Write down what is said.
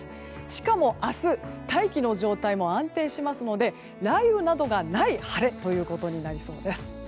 しかも、明日大気の状態も安定しますので雷雨などがない晴れということになりそうです。